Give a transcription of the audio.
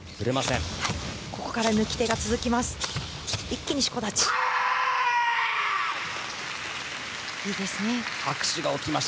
ここから貫手が続きます。